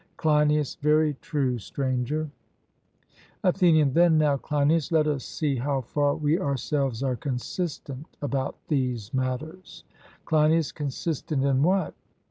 CLEINIAS: Very true, Stranger. ATHENIAN: Then now, Cleinias, let us see how far we ourselves are consistent about these matters. CLEINIAS: Consistent in what?